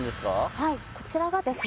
はいこちらがですね